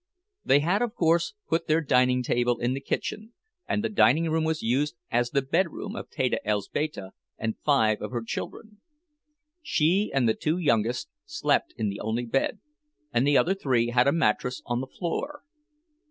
They had, of course, put their dining table in the kitchen, and the dining room was used as the bedroom of Teta Elzbieta and five of her children. She and the two youngest slept in the only bed, and the other three had a mattress on the floor.